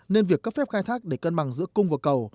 nên việc cấp phép khai thác để cân bằng giữa cung và cầu